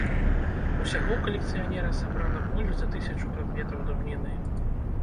Усяго ў калекцыянера сабрана больш за тысячу прадметаў даўніны.